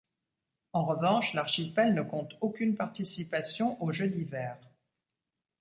En revanche l'archipel ne compte aucune participation aux Jeux d'hiver.